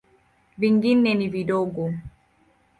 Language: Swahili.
Vingine ni vidogo.